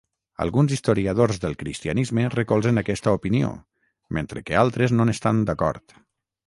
Alguns historiadors del cristianisme recolzen aquesta opinió, mentre que altres no n'estan d'acord.